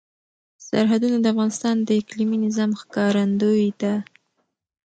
سرحدونه د افغانستان د اقلیمي نظام ښکارندوی ده.